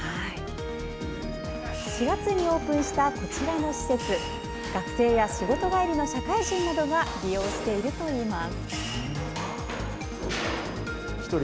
４月にオープンしたこちらの施設学生や仕事帰りの社会人などが利用しているといいます。